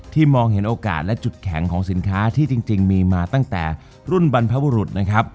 มองเห็นโอกาสและจุดแข็งของสินค้าที่จริงมีมาตั้งแต่รุ่นบรรพบุรุษนะครับ